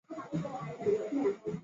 还有各种更复杂的独立工具。